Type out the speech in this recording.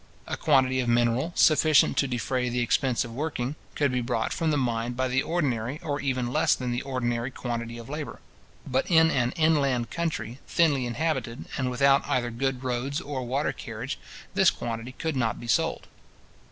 A quantity of mineral, sufficient to defray the expense of working, could be brought from the mine by the ordinary, or even less than the ordinary quantity of labour: but in an inland country, thinly inhabited, and without either good roads or water carriage, this quantity could not be sold.